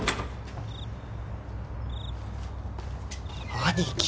兄貴